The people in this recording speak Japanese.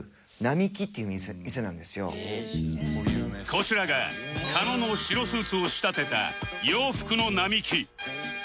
こちらが狩野の白スーツを仕立てた洋服の並木